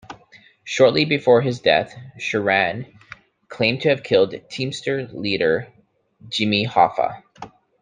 Shortly before his death, Sheeran claimed to have killed Teamster leader Jimmy Hoffa.